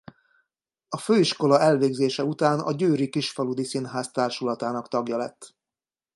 A főiskola elvégzése után a Győri Kisfaludy Színház társulatának tagja lett.